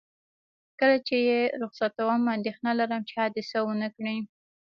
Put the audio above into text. کله چې یې رخصتوم، اندېښنه لرم چې حادثه ونه کړي.